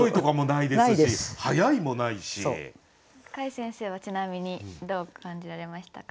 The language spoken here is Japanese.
櫂先生はちなみにどう感じられましたか？